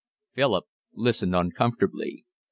Philip listened uncomfortably.